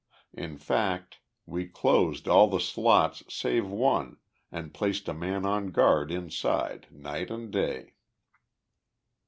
In fact, we closed all the slots save one and placed a man on guard inside night and day."